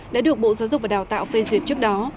đã được bộ giáo dục và đào tạo phê duyệt trước đó